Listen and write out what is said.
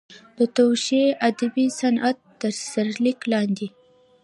د توشیح ادبي صنعت تر سرلیک لاندې.